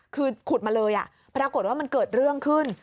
คือขุดมาเลยปรากฏว่ามันเกิดเรื่องขึ้น